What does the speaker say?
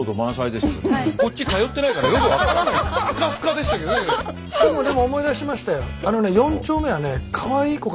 でもでも思い出しましたよ。